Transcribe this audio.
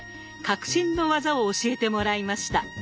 革新の技を教えてもらいました。